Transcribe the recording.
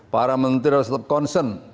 para menteri harus tetap concern